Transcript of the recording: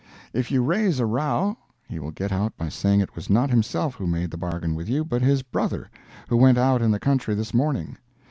If you raise a row, he will get out by saying it was not himself who made the bargain with you, but his brother, "who went out in the country this morning."